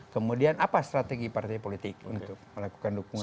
kemudian apa strategi partai politik untuk melakukan dukungan